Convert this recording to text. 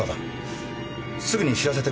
すぐに知らせてください。